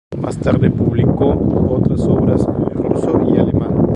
Más tarde publicó otras obras en ruso y alemán.